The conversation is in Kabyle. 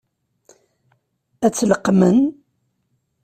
Ad tt-leqqmen?